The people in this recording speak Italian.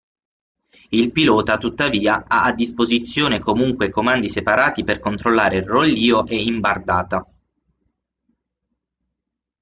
Il pilota tuttavia ha a disposizione comunque comandi separati per controllare rollio e imbardata.